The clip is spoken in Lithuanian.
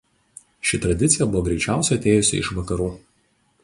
Ši tradicija buvo greičiausiai atėjusi iš vakarų.